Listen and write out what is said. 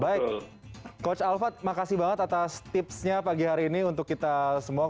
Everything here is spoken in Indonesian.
baik coach alphard makasih banget atas tipsnya pagi hari ini untuk kita semua